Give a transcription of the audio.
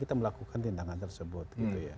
kita melakukan tindakan tersebut